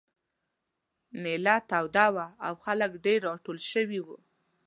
مېله توده وه او خلک ډېر راټول شوي وو.